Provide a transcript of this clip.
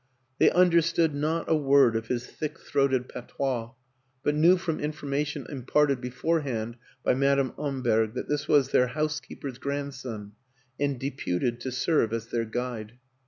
They understood not a word of his thick throated patois, but knew from information imparted be forehand by Madame Amberg that this was their housekeeper's grandson and deputed to serve as their guide.